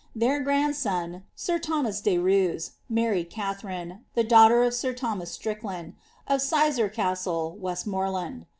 Their grandsoo, sir Thomas de Roos, married KAlharine, the daughter of sir Thomai Strickland, of Sizergh Castle, Westmoreland.